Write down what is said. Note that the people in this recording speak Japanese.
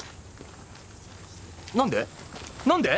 何で？